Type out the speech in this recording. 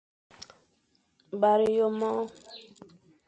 Bara ye môr.